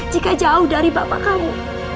jika jauh dari bapak kamu